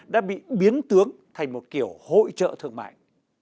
đã bị biến tướng thành một kiểu hội trợ thương mại